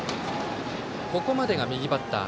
ここまでが右バッター。